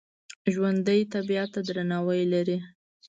ژوندي طبیعت ته درناوی لري